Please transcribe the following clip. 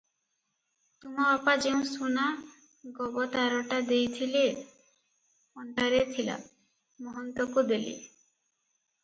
ତୁମ ବାପା ଯେଉଁ ସୁନା ଗବତାରଟା ଦେଇଥିଲେ, ଅଣ୍ଟାରେ ଥିଲା, ମହନ୍ତକୁ ଦେଲି ।